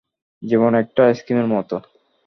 জীবন একটা আইসক্রিমের মত।